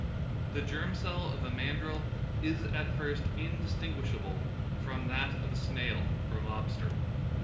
The germ cell of a mandril is at first indistinguishable fronj that of a snail or lobster.